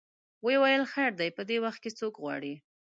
وویل خیر دی په دې وخت کې څوک غواړې.